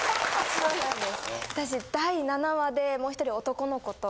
そうなんです。